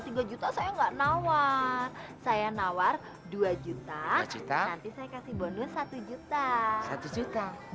cita itu kan kalau springs baca